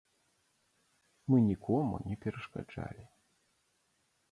Мы нікому не перашкаджалі.